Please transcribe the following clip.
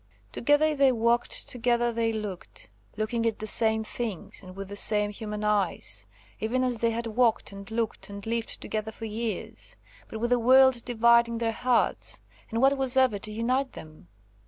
Together they walked, together they looked; looking at the same things, and with the same human eyes; even as they had walked, and looked, and lived together for years, but with a world dividing their hearts; and what was ever to unite them?